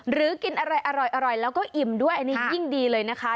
หรือกินอะไรอร่อยแล้วก็อิ่มด้วยอันนี้ยิ่งดีเลยนะคะ